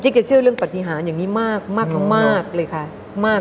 แกเชื่อเรื่องปฏิหารอย่างนี้มากเลยค่ะมาก